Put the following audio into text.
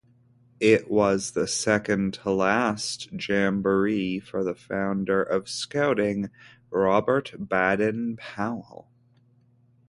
It was the second-to-last Jamboree for the founder of Scouting, Robert Baden-Powell.